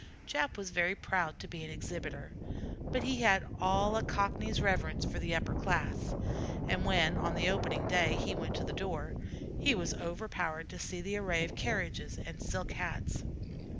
Jap was very proud to be an exhibitor; but he had all a Cockney's reverence for the upper class, and when on the opening day he went to the door, he was overpowered to see the array of carriages and silk hats.